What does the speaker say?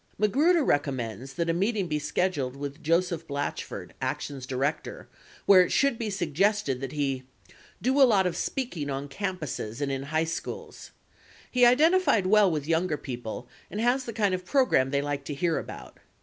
Magruder recommends that a meeting be scheduled with Joseph Blatchford, ACTION'S Director, where it should be suggested that he :... do a lot of speaking on campuses and in high schools. He identified well with younger people and has the kind of pro gram they like to hear about.